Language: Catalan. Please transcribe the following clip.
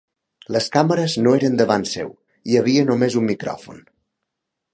Les càmeres no eren davant seu, hi havia només un micròfon.